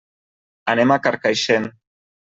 Anem a Carcaixent.